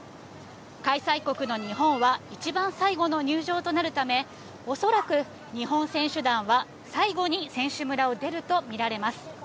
開催国の日本は一番最後の入場となるため、恐らく日本選手団は、最後に選手村を出ると見られます。